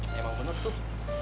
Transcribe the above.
emang bener tuh